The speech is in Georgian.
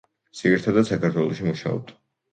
ძირითადად საქართველოში მუშაობდა.